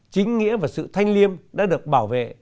chính nghĩa và sự thanh liêm đã được bảo vệ